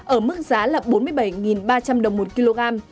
ở mức giá là bốn mươi bảy ba trăm linh đồng một kg